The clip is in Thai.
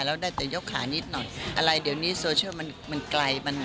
แล้วได้แต่ยกขานิดหน่อยอะไรเดี๋ยวนี้โซเชียลมันไกลมัน